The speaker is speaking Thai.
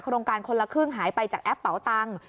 โรงการคนละครึ่งหายไปจากแอปเป๋าตังค์